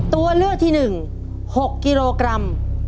ตัวเลือกที่๑๖กิโลกรัม